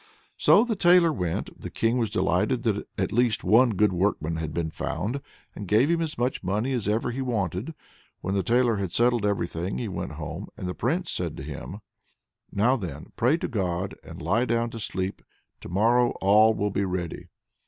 So the tailor went. The King was delighted that at least one good workman had been found, and gave him as much money as ever he wanted. When the tailor had settled everything, he went home. And the Prince said to him: "Now then, pray to God, and lie down to sleep; to morrow all will be ready."